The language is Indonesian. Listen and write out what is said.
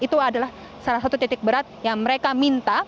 itu adalah salah satu titik berat yang mereka minta untuk tetap dihukum